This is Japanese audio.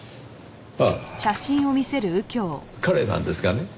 ああ彼なんですがね。